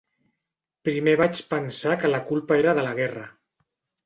Primer vaig pensar que la culpa era de la guerra.